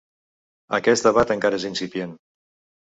Aquest debat encara és incipient.